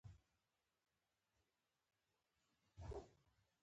د سوداګرو نوې طبقه را و ټوکوله.